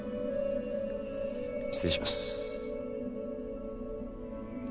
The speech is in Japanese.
失礼します。